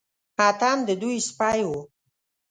اتم د دوی سپی و.